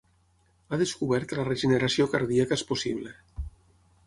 Ha descobert que la regeneració cardíaca és possible.